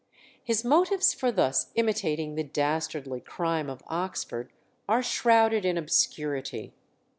His motives for thus imitating the dastardly crime of Oxford are shrouded in obscurity.